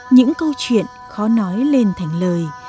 những câu chuyện khó nói lên thành lời